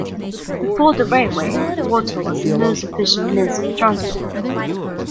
Before the railway, water was the most efficient means of transport.